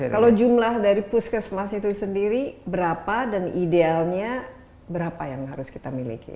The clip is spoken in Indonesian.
kalau jumlah dari pusmas itu sendiri berapa dan idealnya berapa yang harus kita miliki